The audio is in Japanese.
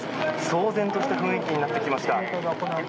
騒然とした雰囲気になってきました。